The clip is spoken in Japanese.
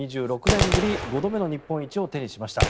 ２６年ぶり５度目の日本一を手にしました。